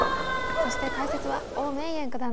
そして解説は王銘九段です。